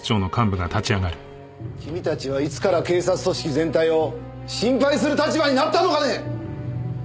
君たちはいつから警察組織全体を心配する立場になったのかね！？